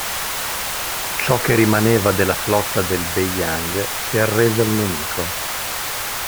Ciò che rimaneva della flotta del Beiyang si arrese al nemico.